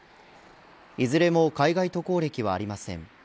いずれも海外渡航歴はありません。